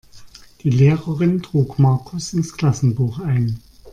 Die Lehrerin trug Markus ins Klassenbuch ein.